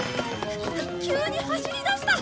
急に走りだした！